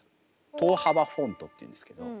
等幅フォントっていうんですけど。